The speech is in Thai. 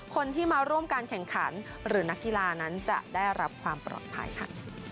คนที่มาร่วมการแข่งขันหรือนักกีฬานั้นจะได้รับความปลอดภัยค่ะ